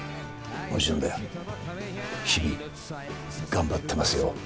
もちろんだよ。日々頑張ってますよ。